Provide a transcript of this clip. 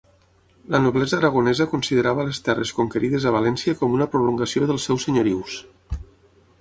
La noblesa aragonesa considerava les terres conquerides a València com una prolongació dels seus senyorius.